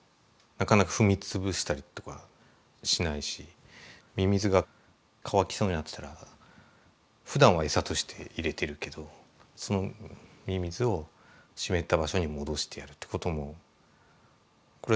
なかなか踏み潰したりとかしないしミミズが乾きそうになってたらふだんは餌として入れてるけどそのミミズを湿った場所に戻してやるってこともこれはこれで自然にやってしまう。